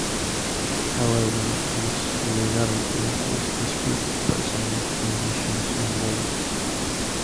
However, this legality is disputed by some of the nations involved.